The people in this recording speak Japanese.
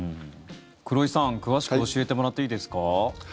黒井さん、詳しく教えてもらっていいですか？